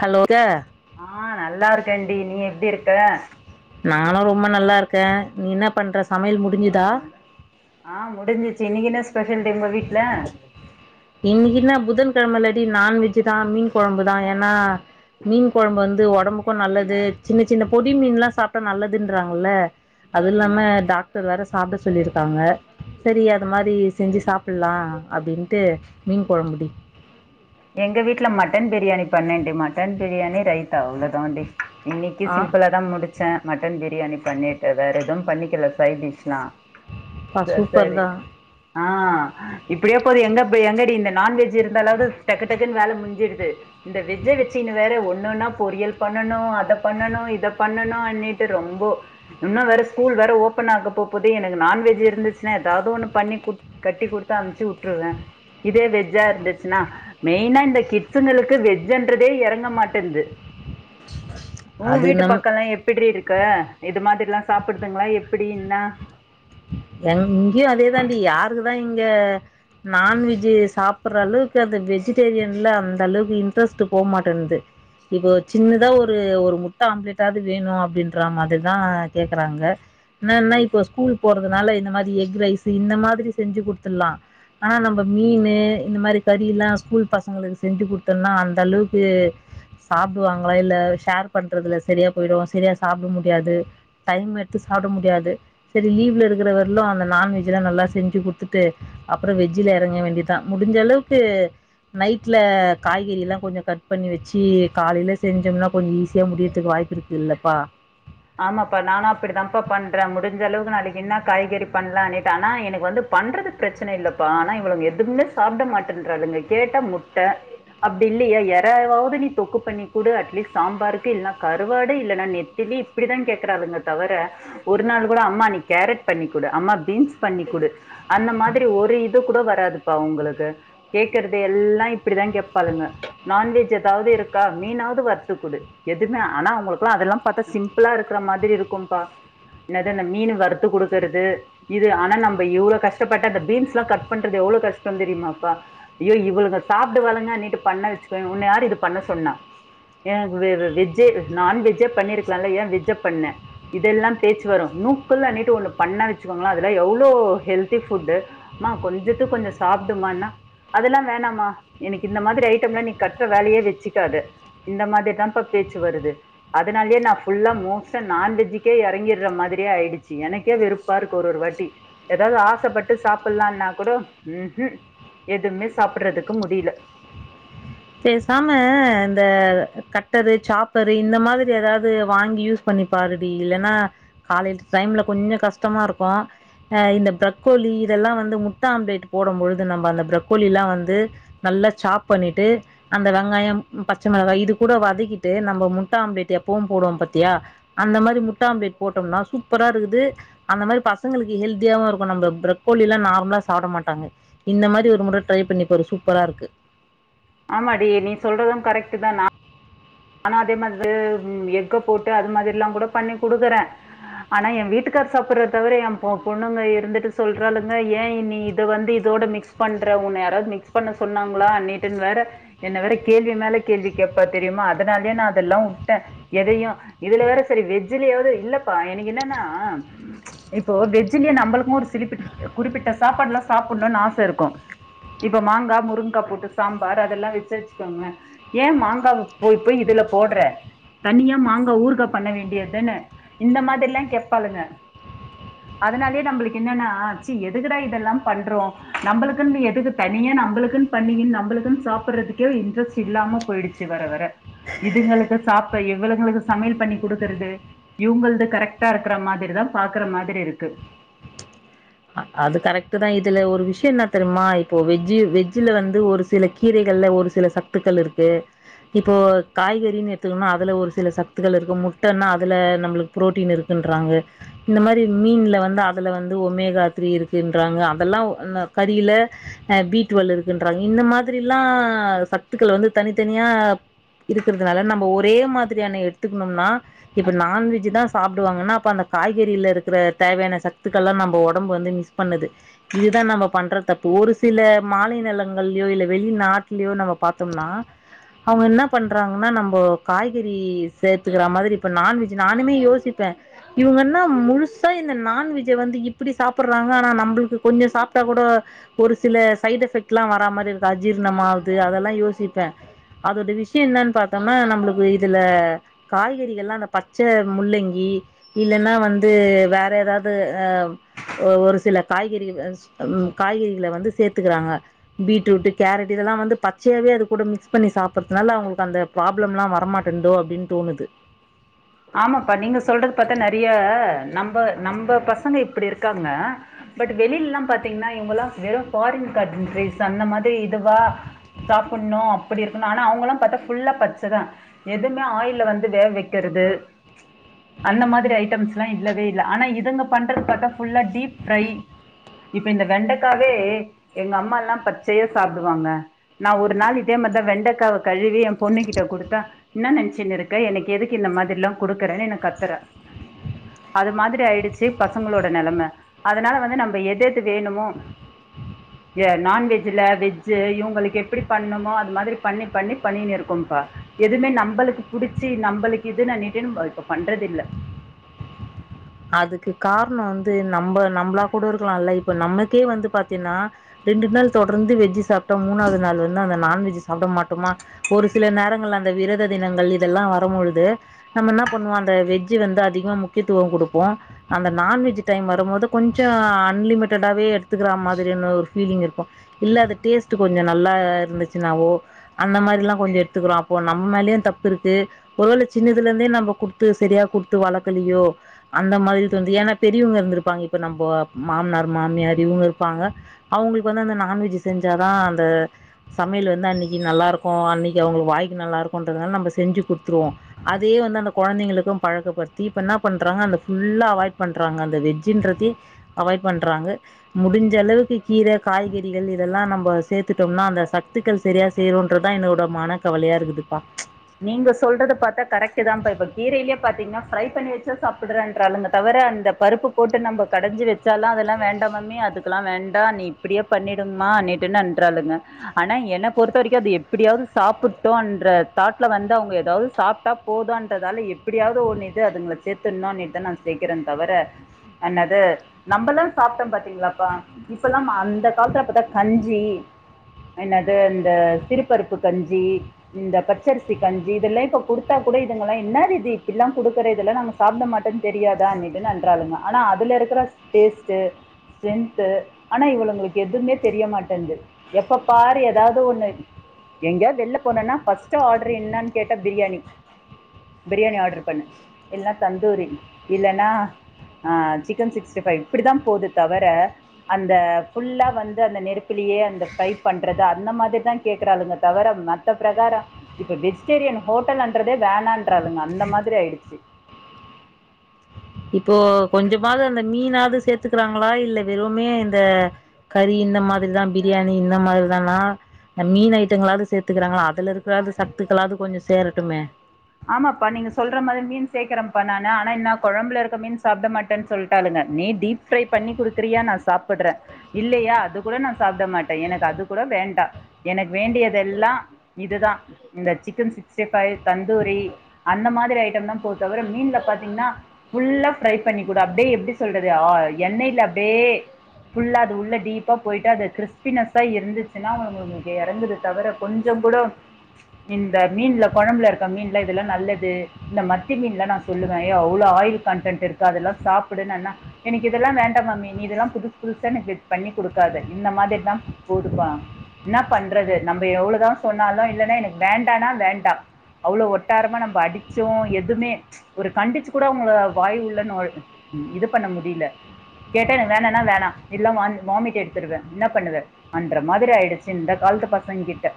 hello க்க ஆ நல்லா இருக்கேண்டி நீ எப்டி இருக்க நாலா ரொம்ப நல்லா இருக்கே நீ என்ன பண்ற சமையல் முடிஞ்சுதா ஆ முஞ்சுச்சு இன்னைக்கு என்ன ஸ்பெஷல் டி உங்க வீட்ல இன்னைக்கு இன்ன புதன் கெழமலடி நான்வெஜ்ஜு தா மீன் கொழம்பு தா ஏனா மீன் கொழம்பு வந்து ஒடம்புக்கு நல்லது சின்ன சின்ன பொடி மீன்லா சாப்ட்டா நல்லதுன்றாங்கல்ல அது இல்லாம டாக்டர் வேற சாப்ட சொல்லிருக்காங்க செரி அத மாரி செஞ்சு சாப்பில்லா அப்டின்ட்டு மீன் குழம்பு எங்க வீட்ல மட்டன் பிரியாணி பண்ணேன்டி மட்டன் பிரியாணி ரைத்தா அவ்ளோதான்டி இன்னைக்கி ஆ சிம்பிளா தா முடிச் சே மட்டன் பிரியாணி பண்ணிட்டு வேற எதுவும் பண்ணிக்கல சைட் டிஷ்லா பா சர் சூப்பர் சரி தான் ஆ இப்படியே போகுது எங்கப்ப எங்கடி இந்த நான்வெஜ் இருந்தாலாவது டக்கு டக்குன்னு வேலை முடிஞ்சிருது இந்த வெஜ்ஜ வெச்சின்னு வேற ஒன்னன்னா பொறியல் பண்ணணு அதை பண்ணணு இத பண்ணணு அண்ணிட்டு ரொம்ப இன்னு வேற ஸ்கூல் வேற ஓப்பன் ஆக போ போப்போது எனக்கு நான்வெஜ் இருந்துச்சுனா எதாவது ஒண்ணு பண்ணி குடு கட்டி குடுத்து அமுச்சு உட்ருவே இதே வெஜ்ஜா இருந்துச்சுன்னா மெயினா இந்த கிட்ஸுங்களுக்கு வெஜ்ன்றதே இறங்க மாட்டேது உ அது வீட்டு நம் பக்கல்லா எப் எப்ட்ரி ‌ இருக்க எது மாதிரில்லா சாப்பிடுதுங்களா எப்பிடி என்ன எங்க இங்கயு அதேதாண்டி யாருக்குதா இங்க நான்வெஜ் சாப்பிட்ற அளவுக்கு அந்த வெஜிடேரியன்ல அந்த அளவுக்கு இன்ட்ரெஸ்ட்டு போமாட்டேங்து இப்போ சின்னதா ஒரு ஒரு முட்ட ஆம்ப்லேட்டாவது வேணு அப்டின்ற மாரிதா கேக்குறாங்க என்னன்னா இப்ப ஸ்கூல் போறதுனால இந்த மாரி எக் ரைஸு இந்த மாரி செஞ்சு குடுத்துர்லா ஆனா நம்ம மீன் இந்த மாரி கறில்லா ஸ்கூல் பசங்களுக்கு செஞ்சு கொடுத்தோனா அந்த அளவுக்கு சாப்பிடுவாங்களா இல்ல ஷேர் பண்றதுல சரியா போயிடு செரியா சாப்பிட முடியாது டைம் எடுத்து சாப்ட முடியாது இது லீவ்ல இருக்கிறவரலு அந்த நான்வெஜ்லா நல்லா செஞ்சு குடுத்துட்டு அப்புற வெஜ்ஜில இறங்க வேண்டிய தா முடிஞ்ச அளவுக்கு நைட்ல காய்கறி எல்லா கொஞ்ச கட் பண்ணி வெச்சு காலேல செஞ்சோம்னா கொஞ்ச ஈஸியா முடியிறதுக்கு வாய்ப்பு இருக் இல்லப்பா ஆமாப்பா நானு அப்டிதான்ப்பா பண்றே முடிஞ்சளவுக்கு நாளைக்கு என்ன காய்கறி பண்லானுட்டு ஆனா எனக்கு வந்து பண்றதுக் பிரச்சனை இல்லப்பா ஆனா இவ்ளவுங்க எதுவுமே சாப்பிட மாட்டேன்றாளுங்க கேட்டா முட்ட அப்டி இல்லயா எறாவாது நீ தொக்கு பண்ணி கூடு அட்லீஸ்ட் சாம்பாருக்கு இல்லன்னா கருவாடு இல்லன்னா நெத்திலி இப்டி தா கேக்குறாளுங்க தவிர ஒரு நாள் கூட அம்மா நீ கேரட் பண்ணி குடு அம்மா பீன்ஸ் பண்ணி் குடு அந்த மாரி ஒரு இது கூட வராதுப்பா உங்களுக்கு கேக்குறது எல்லா இப்படிதா கேட்பாளுங்க நான்வெஜ் எதாவது இருக்கா மீனாவது வறுத்து குடு எதுவுமே ஆனா அவுங்களுக்குல்லா அதெல்லாம் பாத்தா சிம்பி பில்லா இருக்கிற மாரி இருக்கும்பா என்னது அந்த மீன்னு வறுத்து குடுக்குறது இது ஆனா நம்ம இவ்ளோ கஷ்டப்பட்டு அந்த பீஸ் எல்லா கட் பண்றது எவ்ளோ கஷ்டோம் தெரியுமாப்பா ஐயோ இவளுங்க சாப்டுவாளுங்கனுட்டு பண்ண வச்சுக்கோயே உன்ன யாரு இது பண்ண சொன்னா எனக்கு வெ வெஜ்ஜே நான் வெஜ்ஜே பண்ணிருக்கலாம்ல ஏன் வெஜ்ஜ பண்ண இதெல்லாம் பேச்சு வரு நூக்கல்னுட்டு ஒண்ணு பண்ண வச்சுக்கோங்களே அது எல்லா எவ்ளோ ஹெல்தி ஃபுட்டு அம்மா கொஞ்சத்த கொஞ்ச சாப்டுமானா அதெல்லா வேணாமா எனக்கு இந்த மாதிரி ஐட்டம் எல்லா நீ கட்டுற வேலயே வச்சுக்காத இந்த மாரி தாப்பா பேச்சு வருது அதனாலே நா ஃபுல்லா மோஸ்ட்டா நான்வெஜிக்கே இறங்கிற மாதிரியே ஆயிடுச்சு எனக்கே வெறுப்பா இருக்கு ஒரு ஒரு வாட்டி எதாவது ஆசைப்பட்டு சாப்பிலாம்னா கூட ம்ஹு எதுமே சாப்பிறதுக்கு முடியல பேசாம இந்த கட்டரு சாப்பரு இந்த மாதிரி எதாவது வாங்கி யூஸ் பண்ணி பாருடி இல்லன்னா காலையில டைம்ல கொஞ்ச கஷ்டமா இருக்கு அ இந்த பிரக்கோலி இதெல்லா வந்து முட்ட ஆம்லேட் போடும் பொழுது நம்ப அந்த பிரக்கோலில்லா வந்து நல்லா சாப் பண்ணிட்டு அந்த வெங்காயம் பச்ச மிளகாய் இது கூட வதக்கிட்டு நம்ப முட்ட ஆம்லேட் எப்பவும் போடுவோம் பத்தியா அந்த மாரி முட்ட ஆம்பலேட் போட்டோம்னா சூப்பரா இருக்குது அந்த மாரி பசங்களுக்கு ஹெல்தியாவு இருக்கு நம்ம பிரக்கோலில்லா நார்மலா சாப்பட மாட்டாங்க இந்த மாரி ஒரு முற ட்ரை பண்ணி பாரு சூப்பரா இருக்கு ஆமா டி நீ சொல்றது கரெக்ட்டு தா நா நானு அதே மார்து எக்க போட்டு அது மாதிரில்லா கூட பண்ணி குடுக்குற ஆனா எ வீட்டுக்கார் சாப்பட்றார் தவர எ பொ பொண்ணுங்க இருந்துட்டு சொல்றாளுங்க ஏ நீ இத வந்து இதோட மிக் ஸ் பண்ற உன்ன யாராவது மிக்ஸ் பண்ண சொன்னாங்களான்னீட்டு வேற என்ன வேற கேள்வி கேப்பா தெரியுமா அதனாலயே நா அதெல்லா உட்ட எதயு இதுல வேற சரி வெஜ்ஜிலயாவது இல்லப்பா எனக்கு என்னன்னா இப்போ வெஜ்ஜிலியு நம்பளுக்கு ஒரு சிலிப்பிட் குறிப்பிட்ட சாப்பாடுல்லா சாப்பட்ணுன்னு ஆச இருக்கு இப்ப மாங்கா முருங்கா போட்டு சாம்பார் அதெல்லா வச்சேன் வச்சுக்கோங்கள ஏ மாங்கா போய் போய் இதுல போடுற தனியா மாங்க ஊர்கா பண்ண வேண்டியதுதான்ன இந்த மாதிரில்லா கேப்பாளுங்க அதனாலயே நம்ளுக்கு என்னன்னா ச்சி எதுக்குடா இதெல்லா பண்றோ நம்பளுக்குன்னு எதுக்கு தனியா நம்ளுக்குன்னு பண்ணீக்குன்னு நம்பளுக்கு சாப்படுறதுக்கே இன்ட்ரெஸ்ட் இல்லாம போயிடுச்சு வர வர இதுங்களுக்கு சாப்ப இவளுங்களுக்கு சமையல் பண்ணி குடுக்கறது இவுங்கள்து கரெக்ட்டா இருக்கற மாதிரிதா பாக்குற மாதிரி இருக்கு அது கரெக்ட்டு தா இதுல ஒரு விஷய என்ன தெரியுமா இப்போ வெஜ்ஜு வெஜ்ஜுல வந்து ஒரு சிலக்கு கீரைகள்ல ஒரு சில சத்துக்கள் இருக்கு இப்போ காய்கறின்னு எடுத்துக்கனா அதுல ஒரு சில சத்துகள் இருக்கு முட்டனா அதுல நம்பளுக் புரோட்டீன் இருக்குன்றாங்க இந்த மாரி மீன்ல வந்து அதுல வந்து ஒமேகா த்ரீ இருக்குன்றாங்க அதெல்லா ன கறியில அ பி டுவல் இருக்குன்றாங்க இந்த மாதிரில்லா சத்துக்கள வந்து தனி தனியா இருக்கறதுனால நம்ப ஒரே மாதிரியான எடுத்துக்கணும்னா இப்ப நான்வெஜ் தா சாப்டுவாங்கன்னா அப்ப அந்த காய்கறில இருக்கற தேவையான சத்துக்கள்ல்லா நம்ப ஒடம் ஒடம்பு வந்து மிஸ் பண்ணுது இதுதா நம்ம பண்றது தப்பு ஒரு சில மாநிலங்கள்லயோ இல்ல வெளிநாட்டுலயோ நம்ம பாத்தோம்னா அவுங்க என்ன பண்ணுறாங்கன்னா நம்போ காய்கறி சேர்த்துக்கற மாரி இப்ப நான்வெஜ் நானுமே யோசிப்ப இவுங்க என்னா முழுசா இந்த நான்வெஜ்ஜ வந்து இப் இப்படி சாப்படுறாங்க ஆனா நம்பளுக்கு கொஞ்சோ சாப்ட்டா கூட ஒரு சில சைட் எஃபெக்ட்ல்லா வர மாரி இருக்கு அஜீர்ணமாவது அதெல்லா யோசிப்ப அதோட விஷ்யோ என்னன் பாத்தோம்னா நம்பளுக்கு இதுல காய்கறிகள்ல்லா அந்த பச்ச முள்ளங்கி இல்லன்னா வந்து வேற எதாவது அ ஒரு சில காய்கறி உ ம் காய்கறிகள வந்து சேத்துக்குறாங்க பீட்ரூட்டு கேரட்டு இதெல்லா வந்து பச்சையாவே அது கூட மிக்ஸ் பண்ணி சாப்பறதுனால அவுங்களுக்கு அந்த ப்ராப்ளம்லா வரமாட்டேன்ந்தோ அப்டின் தோணுது ஆமாப்பா நீங்க சொல்றது பாத்தா நறைய நம்ப நம்ப பசங்க இப்படி இருக்காங்க பட் வெளிலல்லா பாத்தீங்கன்னா இவுங்கால்லா வெறு ஃபரின் கன்ட்ரீஸ் அந்த மாரி இதுவா சாப்பட்ணு இப்படி இருக்னு ஆனா அவுங்களா பாத்தா ஃபுல்லா பச்சதா எதுமே ஆயில்ல வந்து வேவ் வைக்கிறது [unintelligible] அந்த மாதிரி ஐட்டம்ஸ் எல்லா இல்லவே இல்ல ஆனா இதுங்க பண்றது பாத்தா ஃபுல்லா டீப் ஃப்ரை இப்ப இந்த வெண்டக்காவே எங்க அம்மா எல்லா பச்சையா சாப்டுவாங்க நா ஒரு நாள் இதே மாதிரிதா வெண்டக்காவ கழுவி ஏ பொண்ணு கிட்ட குடுத்த என்ன நெனச்சின்னு இருக்க எனக்கு எதுக்கு இந்த மாதிரியெல்லா குடுக்குறேனு என்ன கத்துறா அது மாதிரி ஆயிடுச்சு பசங்களோட நெலம அதனால வந்து நம்ம எதெது வேணுமோ [unintelligible] ஏ நான்வெஜ்ல வெஜ்ஜு இவங்களுக்கு எப்படி பண்ணுமோ அது மாதிரி பண்ணி பண்ணி பண்ணின்னு இருக்கோம்பா எதுவுமே நம்மளுக்கு புடிச்சு நம்மளுக்கு இதுன்னு [unintelligible] இப்ப பண்றது இல்ல அதுக்கு காரணோ வந்து நம்ம நம்மளா கூட இருக்கலாம்ல இப்ப நம்மக்கே வந்து பாத்தீனா ரெண்டு நாள் தொடர்ந்து வெஜ்ஜு சாப்டா மூணாவது நாள் வந்து அந்த நான்வெஜ் சாப்ட மாட்டோமா ஒரு சில நேரங்கள்ல அந்த விரத தினங்கள் இதெல்லா வரும் பொழுது நம்ம என்னா பண்ணுவோ அந்த வெஜ்ஜு வந்து அதிகமா முக்கியத்துவோ குடுப்போ அந்த நான் வெஜ் டைம் வரும் போது கொஞ்சோ அன்லிமிட்டடாவே எடுத்துக்கிற மாதிரியான ஒரு ஃபீலிங் இருக்கு இல்ல அது டேஸ்ட் கொஞ்சோ நல்லா இருந்துச்சுனாவோ அந்த மாரி எல்லா கொஞ்சோ எடுத்துக்குறோ அப்போ நம்ம மேலேயு தப்பு இருக்கு ஒருவேல சின்னதுல இருந்தே நம்ம குடுத்து செரியா குடுத்து வளக்கலையோ அந்த மாரி த வந்து ஏனா பெரியவங்க இருந்துருப்பாங்க இப்ப நம்போ மாமனாரு மாமியாரு இவுங்க இருப்பாங்க அவங்களுக்கு வந்து அந்த நான்வெஜ் செஞ்சாதா அந்த சமையல் வந்து அன்னைக்கு நல்லா இருக்கு அன்னைக்கு அவுங்களுக்கு வாய்க்கு நல்லா இருக்குன்றதுனால நம்ம செஞ்சு குடுத்துருவோ அதே வந்து அந்த கொழந்தைங்களுக்கு பழக்கப்படுத்தி இப்ப என்ன பண்றாங்க அந்த ஃபுல்லா அவாய்ட் பண்றாங்க அந்த வெஜ்ஜுன்றதயே அவாய்ட் பண்றாங்க முடிஞ்ச அளவுக்கு கீர காய்கறிகள் இதெல்லா நம்ப சேத்துட்டோம்னா அந்த சத்துக்கள் செரியா செய்யனுன்றதா என்னோட மனக்கவலயா இருக்குதுப்பா நீங்க சொல்றத பாத்தா கரெக்டு தான்ப்ப இப்ப கீரையிலயே பாத்தீங்கன்னா ஃப்ரை பண்ணி வச்சா சாப்டுறேன்றாளுங்க தவர அந்த பருப்பு போட்டு நம்ப கடஞ்சி வைச்சாலா அதெல்லா வேண்டா மம்மி அதுக்கெல்லா வேண்டா நீ அப்டியே பண்ணிடுங்கம்மா நேட்டுனன்றாலுங்க ஆனா என்ன பொறுத்த வரைக்கு அது எப்டியாவது சாப்புட்டோன்ற தாட்ல வந்து அவுங்க எதாவது சாப்டா போதுன்றதால எப்டியாவது ஒன்னு இது அதுங்கள சேத்துர்ணுனே தா நா சேக்குறே தவர என்னது நம்மல்லா சாப்டோம் பாத்தீங்களாப்பா இப்ப எல்லா அந்த காலத்துல பாத்தா கஞ்சி என்னது இந்த சிறுபருப்பு கஞ்சி இந்த பச் ச்சரிசி கஞ்சி இதெல்லா இப்ப கொடுத்தா கூட இதுங்கலா என்னது இது இப்பில்லா கொடுக்குற இதெல்லா நாங்க சாப்ட மாட்டோன்னு தெரியாதானு நிடுனன்றாளுங்க ஆனா அதுல இருக்கிற ஸ்டேஸ்ட்டு ஸ்டென்த்து ஆனா இவளுங்களுக்கு எதுவுமே தெரியமாட்டேன்து எப்ப பாரு ஏதாவது ஒண்ணு எங்காயாது வெளியில போனோன்னா ஃபஸ் ஸ்டு ஆட்ரு என்னானு கேட்டா பிரியாணி பிரியாணி ஆட்ரு பண்ணு இல்லன்னா தந்தூரி இல்லன்னா ஆ சிக்கன் சிக்ஸ்டி ஃபைவ் இப்டிதா போகுது தவர அந்த ஃபுல்லா வந்து அந்த நெருப்புலயே அந்த ஃப்ரை பண்றது அந்த மாதிரி தா கேக்குறாளுங்க தவர மத் த்த பிரகாரோ இப்ப வெஜிடேரியன் ஹோட்டல்லன்றதே வேணான்றாளுங்க அந்த மாதிரி ஆயிடுச்சு இப்போ கொஞ்சமாவது அந்த மீனாவது சேத்துக்கிறாங்களா இல்ல வெறுமே இந்த கறி இந்த மாதிரிதா பிரியாணி இந்த மாரிதானா மீன் ஐட்டங்களாவது சேத்துக்கிறாங்களா அதுல இருக்குறதாது சத்துக்களாவது கொஞ்சோ சேரட்டுமே ஆமாப்பா நீங்க சொல்ற மாதிரி மீன் சேக்கிரப்பா நானு ஆனா என்னா கொழம்புல இருக்க மீன் சாப்பிட மாட்டேன்னு சொல்ட்டாலுங்க நீ டீப் ப்ரை பண்ணி கொடுக்கறியா நா சாப்புட்ற இல்லயா அது கூட நா சாப்ட மாட்ட எனக்கு அதுக் கூட வேண்டா எனக்கு வேண்டியதெல்லா இதுதா இந்த chicken sixty five tandoori அந்த மாதிரி ஐட்டம் தா போ தவிர மீன்ல பாத்தீங்கன்னா ஃபுல்லா ப்ரை பண்ணிக் குடு அப் டே எப்டி சொல்றது ஆ எண்ணெய்ல அப்டே ஃபுல்லா அது உள்ள டீப்பா போய்ட்டு அது கிறிஸ்பினஸ்ஸா இருந்துச்சுன்னா அவுங்கெங்களுக்கு இறங்குது தவர கொஞ்சோ கூட இந்த மீன்ல கொழம்புல இருக்க மீன்ல இதெல்லா நல்லது இந்த மத்தி மீன்லா நா சொல்லுவே யே அவ்ளோ ஆயில் கண்டென்ட் இருக்கு அதெல்லா சாப்புடு நன்னா எனக்கு இதெல்லா வேண்டா மம்மி நீ இதெல்லா புதுசு புதுசா எனக்கு வெ பண்ணி குடுக்காத இந்த மாதிரிதா போதுப்பா என்னா பண்றது நம்ம எவ்ளோதா சொன்னாலு இல்லன்னா எனக்கு வேண்டானா வேண்டா அவ்ளோ ஒட்டாரமா நம்ம அடிச்சு எதுவுமே ஒரு கண்டிச்சு கூட அவுங்கள வாய் உள்ள நொல் இது பண்ண முடியில கேட்டா எனக்கு வேணானா வேணா இல்ல வாம் வாமிட் எடுத்துருவ என்ன பண்ணுவ பன்ற மாதிரி ஆயிடுச்சு இந்த காலத்து பசங்க கிட்ட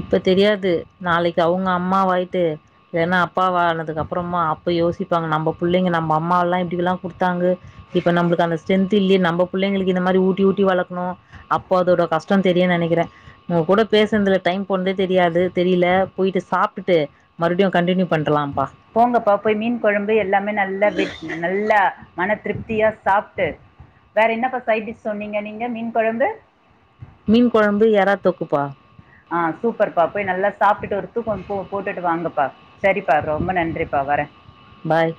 இப்ப தெரியாது நாளைக்கு அவுங்க அம்மா வாயிட்டு ஏனா அப்பா ஆனதுக்கு அப்றோமா அப்ப யோசிப்பாங்க நம்ம பிள்ளைங்க நம்ம அம்மால்லா இப்டில்லா குடுத்தாங்க இப்ப நம்ளுக்கு அந்த ஸ்ட்ரென்த் இல்லியே நம்ம பிள்ளைளுக்கு இந்த மாரி ஊட்டி ஊட்டி வளக்குணு அப்போ அதோட கஷ்டோ தெரியுன்னு நினைக்கிறே உங்க கூட பேசுனதுல டைம் போனதே தெரியாது தெரியில போயிட்டு சாப்டுட்டு மறுபடியு கண்டினியூ பண்றலாம்ப்பா போங்கப்பா போய் மீன் கொழம்பு எல்லாமே நல்லா வெட் நல்லா மன திருப்தியா சாப்ட்டு வேற என்னப்பா சைடிஷ் சொன்னீங்க மீன் கொழம்பு மீன் கொழம்பு யரா தொக்குப்பா ஆ சூப்பர்ப்பா போய் நல்லா சாப்ட்டுட்டு ஒரு தூக்கோ போ போட்டுட்டு வாங்கப்பா செரிப்பா ரொம்ப நன்றிப்பா வர பாய்